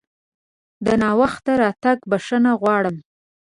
د ناوخته راتګ بښنه غواړم!